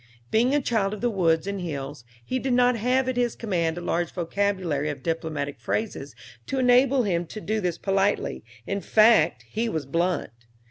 Being a child of the woods and hills, he did not have at his command a large vocabulary of diplomatic phrases to enable him to do this politely, in fact, he was blunt.